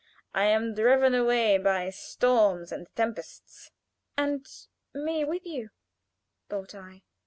I am driven away by storms and tempests." "And me with you," thought I.